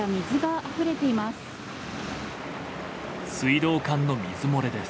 水道管の水漏れです。